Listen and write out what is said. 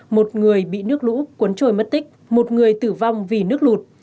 một người bị nước lũ cuốn trôi mất tích một người tử vong vì nước lụt